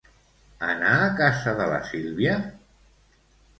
Anar a casa de la Sílvia?